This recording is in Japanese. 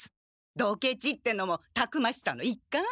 ドケチってのもたくましさの一貫？